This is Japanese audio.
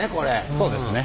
そうですね。